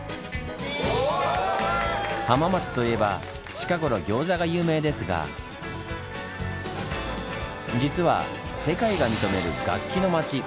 浜松といえば近頃ギョーザが有名ですが実は世界が認める楽器の町。